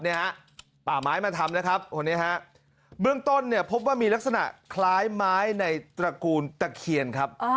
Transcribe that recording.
ฮะป่าไม้มาทำนะครับคนนี้ฮะเบื้องต้นเนี่ยพบว่ามีลักษณะคล้ายไม้ในตระกูลตะเคียนครับ